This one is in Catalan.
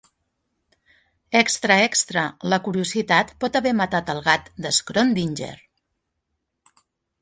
Extra extra! La curiositat pot haver matat el gat d’Schrödinger!